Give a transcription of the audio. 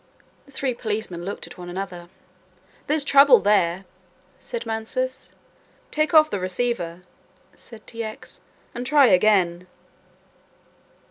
The three policemen looked at one another. "There's trouble there," said Mansus. "Take off the receiver," said T. X., "and try again."